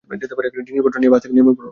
জিনিসপত্র নিয়ে বাস থেকে নেমে পড়ুন।